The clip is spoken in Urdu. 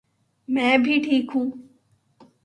میں بھی ٹھیک ہوں